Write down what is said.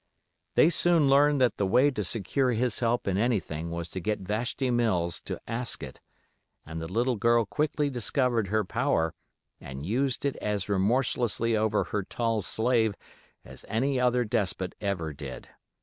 They soon learned that the way to secure his help in anything was to get Vashti Mills to ask it, and the little girl quickly discovered her power and used it as remorselessly over her tall slave as any other despot ever did.